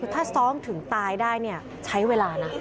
ถ้าซ้อมถึงตายได้เนี่ยใช้เวลานะ